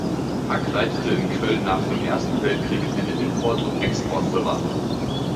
Hack leitete in Köln nach dem Ersten Weltkrieg eine Import- und Exportfirma.